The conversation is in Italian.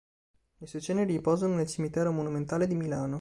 Le sue ceneri riposano nel cimitero monumentale di Milano.